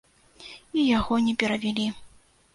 І яго не перавялі.